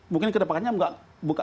mungkin kedepannya nggak